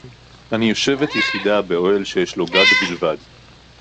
אֲנִי יוֹשֶׁבֶת יְחִידָה בְּאֹהֶל שַׁיִשׁ לוּ גַּג בִּלְבַד